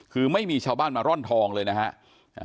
คือไม่มีชาวบ้านมาร่อนทองเลยนะครับ